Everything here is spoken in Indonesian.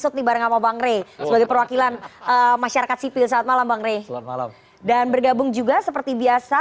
dan bergabung juga seperti biasa